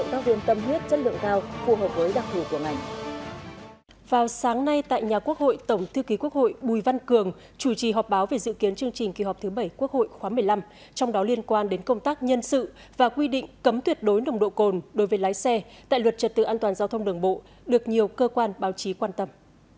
tại nhà quốc hội tổng thư ký quốc hội bùi văn cường chủ trì họp báo về dự kiến chương trình kỳ họp thứ bảy quốc hội khóa một mươi năm trong đó liên quan đến công tác nhân sự và quy định cấm tuyệt đối nồng độ cồn đối với lái xe tại luật trật tự an toàn giao thông đường bộ được nhiều cơ quan báo chí quan tâm